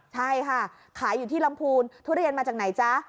ใช่ค่ะขายอยู่ที่ลำพูนทุเรียนมาจากไหนจ๊ะ